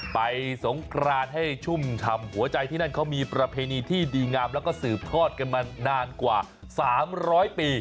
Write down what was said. สงกรานให้ชุ่มชำหัวใจที่นั่นเขามีประเพณีที่ดีงามแล้วก็สืบทอดกันมานานกว่า๓๐๐ปี